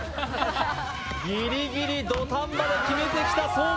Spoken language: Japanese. ギリギリ途端場で決めてきた相馬。